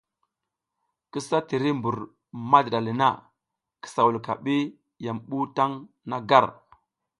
Kisa tiri mbur madiɗa le na, kisa wulka ɓi ya mi ɓuw taƞ na gar.